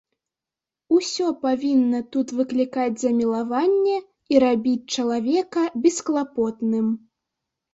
Усё павінна тут выклікаць замілаванне і рабіць чалавека бесклапотным.